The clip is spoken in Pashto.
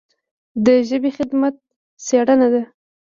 د ژبې خدمت څېړنه ده.